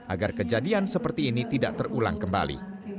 agar kejadian seperti ini tidak terulang kembali